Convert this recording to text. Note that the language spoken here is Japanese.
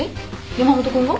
山本君が？